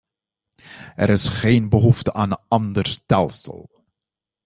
Er is geen behoefte aan een ander stelsel.